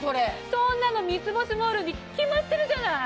そんなの『三ツ星モール』に決まってるじゃない！